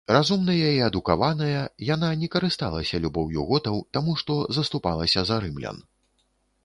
Разумная і адукаваная, яна не карысталася любоўю готаў, таму што заступалася за рымлян.